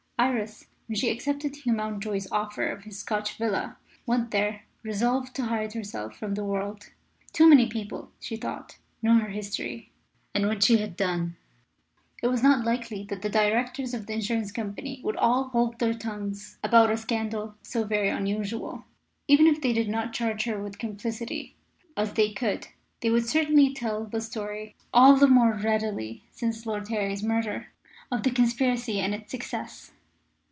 Iris, when she accepted Hugh Mountjoy's offer of his Scotch villa, went there resolved to hide herself from the world. Too many people, she thought, knew her history, and what she had done. It was not likely that the Directors of the Insurance Company would all hold their tongues about a scandal so very unusual. Even if they did not charge her with complicity, as they could, they would certainly tell the story all the more readily since Lord Harry's murder of the conspiracy and its success.